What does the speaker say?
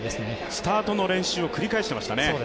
スタートの練習を繰り返してましたよね。